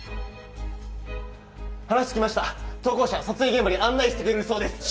話つきました投稿者撮影現場に案内してくれるそうですよ